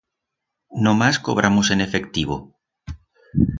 Nomás cobramos en efectivo